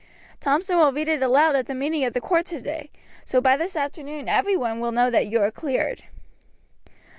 Thompson will read it aloud at the meeting of the court today, so by this afternoon every one will know that you are cleared."